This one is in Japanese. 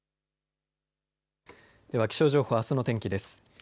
では気象情報、あすの天気です。